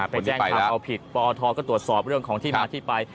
ไปแจ้งความเอาผิดปอทก็ตรวจสอบเรื่องของที่มาที่ไป